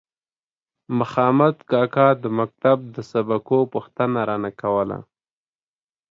مخامد کاکا د مکتب د سبقو پوښتنه رانه کوله.